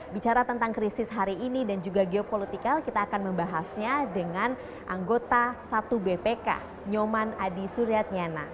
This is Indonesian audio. bicara tentang krisis hari ini dan juga geopolitikal kita akan membahasnya dengan anggota satu bpk nyoman adi suryatnyana